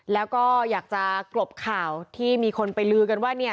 แล้วก็อยากจะกลบข่าวที่มีคนไปลือกันว่าเนี่ย